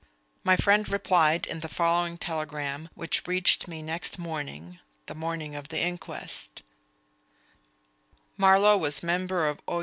My friend replied in the following telegram, which reached me next morning (the morning of the inquest): Marlowe was member O.